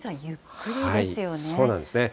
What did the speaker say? そうなんですね。